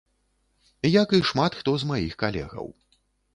Як і шмат хто з маіх калегаў.